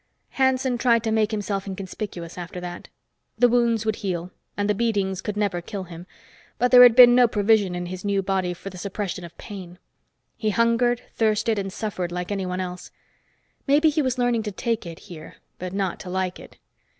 Hanson tried to make himself inconspicuous after that. The wounds would heal, and the beatings could never kill him; but there had been no provision in his new body for the suppression of pain. He hungered, thirsted and suffered like anyone else. Maybe he was learning to take it, here, but not to like it.